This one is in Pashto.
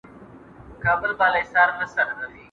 چي شلومبې دي خوښي دي، ځان ته غوا واخله.